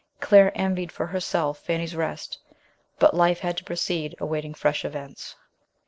Claire envied for herself Fanny's rest ; but life had to proceed, awaiting fresh events.